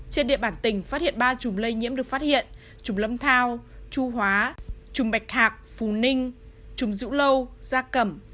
trên địa bàn tỉnh phát hiện ba chùm lây nhiễm được phát hiện chùm lâm thao chu hóa chùm bạch hạc phù ninh chùm dũ lâu gia cẩm